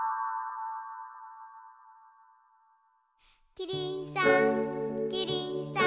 キリンさんキリンさん